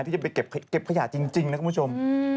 ที่จะไปเก็บขยะจริงนะคุณผู้ชม